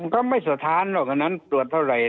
ก็ไม่สะท้านหรอกวันนั้นตรวจเท่าไหร่